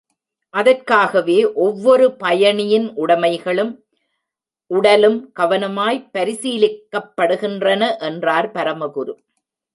அதற்காகவே ஒவ்வொரு பயணியின் உடமைகளும், உடலும், கவனமாய்ப் பரிசீலிக்கப்படுகின்றன என்றார் பரமகுரு.